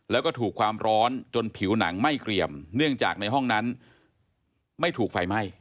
แล้วก็ถูกความร้อนจนผิวหนังไม่เกรียมเนื่องจากในห้องนั้นไม่ถูกไฟไหม้